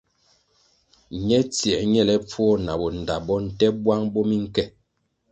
Ñe tsiē ñelepfuo na bo ndta bo, nte bwang bo minke.